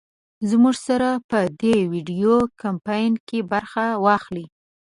زمونږ سره په دې وېډيو کمپين کې برخه واخلۍ